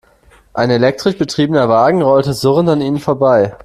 Ein elektrisch betriebener Wagen rollte surrend an ihnen vorbei.